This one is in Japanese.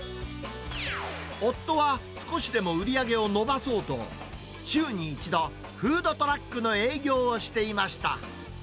夫は少しでも売り上げを伸ばそうと、週に１度、フードトラックの営業をしていました。